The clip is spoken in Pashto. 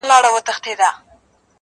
چي یې تاب د هضمېدو نسته وجود کي,